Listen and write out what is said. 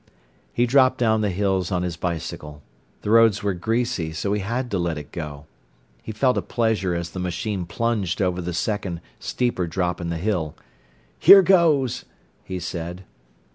He dropped down the hills on his bicycle. The roads were greasy, so he had to let it go. He felt a pleasure as the machine plunged over the second, steeper drop in the hill. "Here goes!" he said.